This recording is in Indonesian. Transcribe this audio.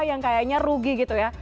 yang kayaknya rugi gitu ya